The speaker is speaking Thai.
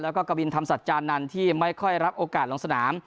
แล้วก็กวินธรรมสัจจานันทร์ที่ไม่ค่อยรับโอกาสลงสนาม